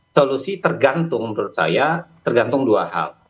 solusi tergantung menurut saya tergantung dua hal